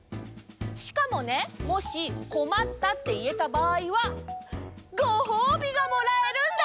しかもねもし「こまった」っていえたばあいはごほうびがもらえるんだ！